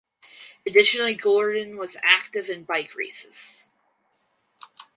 Additionally Gordon was active in bike races.